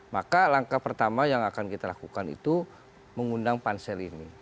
maka langkah pertama yang akan kita lakukan itu mengundang pansel ini